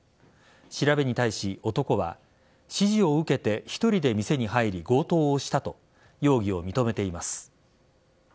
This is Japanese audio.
調べに対し、男は指示を受けて１人で店に入り強盗をしたと容疑を認めています。